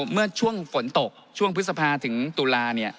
เมื่อช่วงฝนตกช่วงพฤษภาถึงตุลา